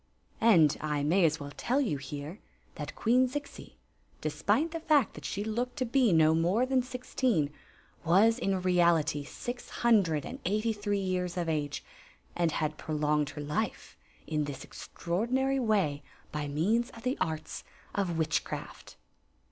And I may as well tell you here that Queen Zixi, despite the fact that she looked to be no more than sixteen, was in reality six hundred and eighfy three years of age, and had prolonged her life in diis ex traordinary way by means of the arts of witchcraft.